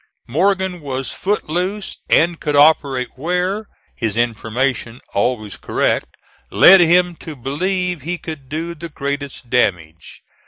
Morgan was foot loose and could operate where, his information always correct led him to believe he could do the greatest damage.